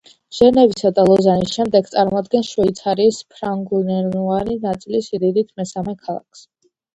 ჟენევისა და ლოზანის შემდეგ, წარმოადგენს შვეიცარიის ფრანგულენოვანი ნაწილის სიდიდით მესამე ქალაქს.